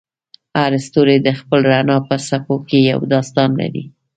هر ستوری د خپل رڼا په څپو کې یو داستان لري.